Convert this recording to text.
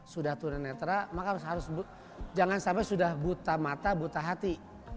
sudah tunanetra maka harus jangan sampai sudah buta mata buta hati